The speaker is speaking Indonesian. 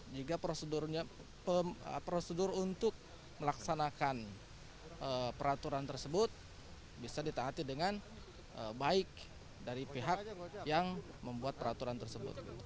jika prosedur untuk melaksanakan peraturan tersebut bisa ditaati dengan baik dari pihak yang membuat peraturan tersebut